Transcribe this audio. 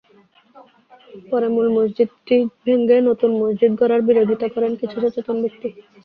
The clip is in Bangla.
পরে মূল মসজিদটি ভেঙ্গে নতুন মসজিদ গড়ার বিরোধিতা করেন কিছু সচেতন ব্যক্তি।